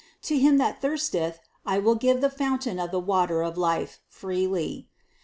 To him that thirsteth I will give of the fountain of the water of life, freely. 7.